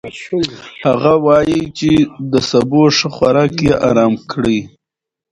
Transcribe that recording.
هغه وايي چې د سبو ښه خوراک يې ارام کړی.